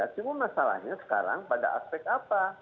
cuma masalahnya sekarang pada aspek apa